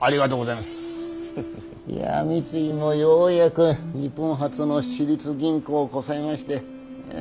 いや三井もようやく日本初の私立銀行をこさえまして。